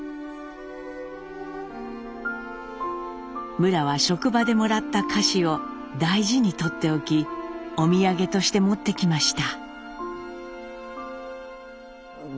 むらは職場でもらった菓子を大事に取って置きお土産として持ってきました。